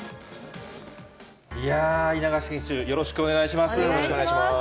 いやぁ、稲垣選手、よろしくよろしくお願いします。